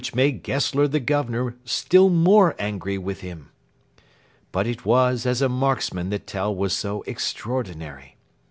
Which made Gessler the Governor still more angry with him. But it was as a marksman that Tell was so extraordinary.